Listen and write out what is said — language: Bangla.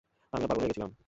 আমি না পাগল হয়ে গিয়েছিলাম!